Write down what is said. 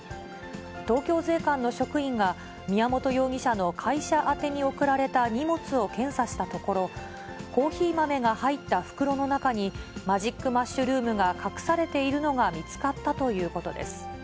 東京税関の職員が、宮本容疑者の会社宛てに送られた荷物を検査したところ、コーヒー豆が入った袋の中に、マジックマッシュルームが隠されているのが見つかったということです。